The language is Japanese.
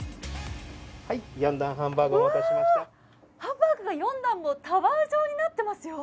ハンバーグが４段もタワー状になってますよ！